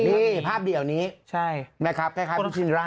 นี่ภาพเดี่ยวนี้แค่คล้ายพี่ชิ้นร่าง